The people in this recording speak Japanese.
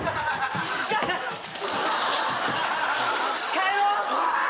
帰ろう。